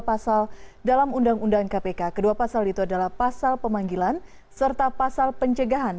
pasal dalam undang undang kpk kedua pasal itu adalah pasal pemanggilan serta pasal pencegahan